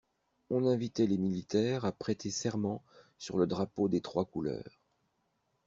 On invitait les militaires à prêter serment sur le drapeau des trois couleurs.